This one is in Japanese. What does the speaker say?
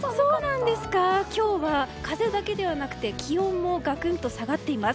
今日は風だけではなくて気温もガクンと下がっています。